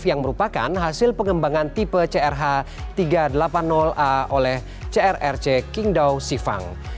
yang merupakan hasil pengembangan tipe crh tiga ratus delapan puluh a oleh crrc kingdo sifang